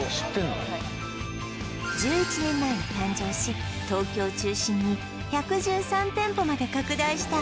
はい１１年前に誕生し東京を中心に１１３店舗まで拡大した